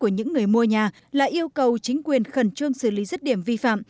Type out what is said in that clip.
những người mua nhà lại yêu cầu chính quyền khẩn trương xử lý rất điểm vi phạm